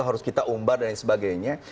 harus kita umbar dan sebagainya